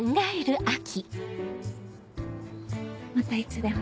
またいつでも。